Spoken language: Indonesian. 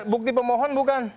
bukti pemohon bukan